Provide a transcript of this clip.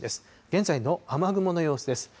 現在の雨雲の様子です。